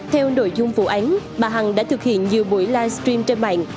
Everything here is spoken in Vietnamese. theo nội dung vụ án bà hằng đã thực hiện nhiều buổi live stream trên mạng